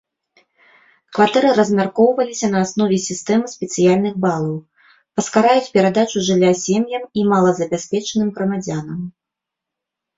Кватэры размяркоўваліся на аснове сістэмы спецыяльных балаў, паскараюць перадачу жылля сем'ям і малазабяспечаным грамадзянам.